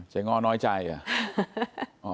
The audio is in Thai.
เจ๊งอ้อน้อยใจอ่ะ